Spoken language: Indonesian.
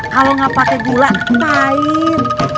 kalau gak pake gula kain